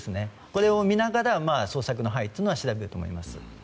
これを見ながら捜索の範囲は調べると思います。